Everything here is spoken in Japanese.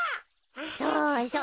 そうそう。